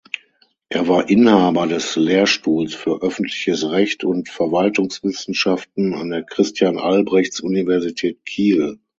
Er war Inhaber des Lehrstuhls für Öffentliches Recht und Verwaltungswissenschaften an der Christian-Albrechts-Universität Kiel.